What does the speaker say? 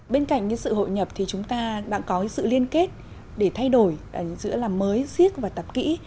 bên cạnh cái sự hội nhập thì chúng ta đã có cái sự liên kết để thay đổi giữa làm mới siếc và tập kỹ